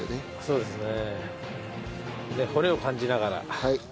そうですね。